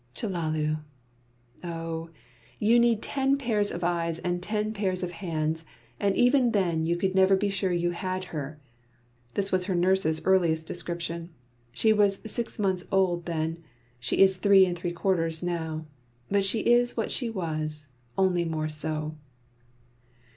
"Chellalu! Oh, you need ten pairs of eyes and ten pairs of hands, and even then you could never be sure you had her" this was her nurse's earliest description. She was six months old then, she is three and three quarters now; but she is what she was, "only more so."